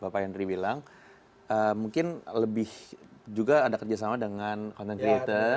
bapak henry bilang mungkin lebih juga ada kerjasama dengan content creator